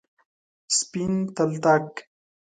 سپین تلتک،